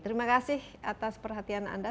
terima kasih atas perhatian anda